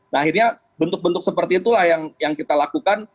nah akhirnya bentuk bentuk seperti itulah yang kita lakukan